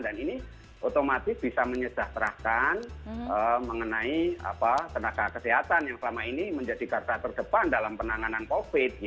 dan ini otomatis bisa menyejahterakan mengenai tenaga kesehatan yang selama ini menjadi kartu terdepan dalam penanganan covid